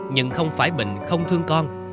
nhưng không phải bình không thương con